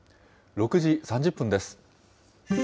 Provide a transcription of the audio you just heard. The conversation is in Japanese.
６時３０分です。